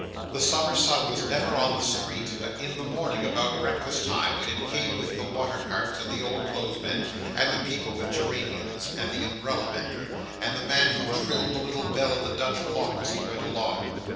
The summer sun was never on the street, but in the morning about breakfast time, when it came with the water carts and the old clothes men, and the people with geraniums, and the umbrella mender, and the man who trilled the little bell of the Dutch clock as he went along.